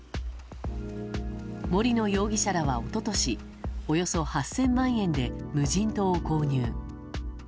森野容疑者らは、一昨年およそ８０００万円で無人島を購入。